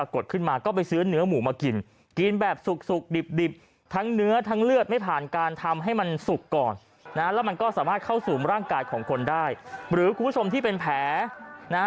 ก่อนนะแล้วมันก็สามารถเข้าสูมร่างกายของคนได้หรือกูชมที่เป็นแผลนะ